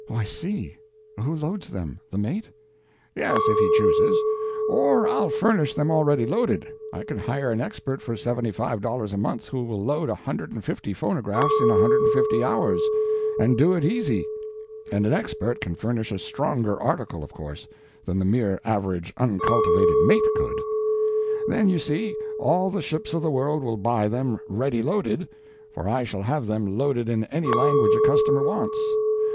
"O, I see. Who loads them?—the mate?" "Yes, if he chooses. Or I'll furnish them already loaded. I can hire an expert for $75 a month who will load a hundred and fifty phonographs in 150 hours, and do it easy. And an expert can furnish a stronger article, of course, than the mere average uncultivated mate could. Then you see, all the ships of the world will buy them ready loaded—for I shall have them loaded in any language a customer wants.